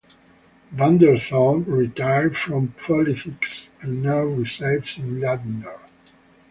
Vander Zalm retired from politics and now resides in Ladner.